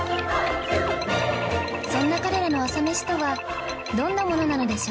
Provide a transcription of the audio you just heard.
そんな彼らの朝メシとはどんなものなのでしょうか？